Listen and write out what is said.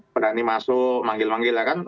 berani masuk manggil manggil ya kan